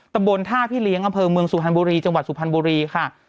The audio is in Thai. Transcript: ตำบลท่าพี่เลี้ยงอำเภอเมืองสุพรรณบุรีจังหวัดสุพรรณบุรีค่ะ